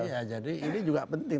ya jadi ini juga penting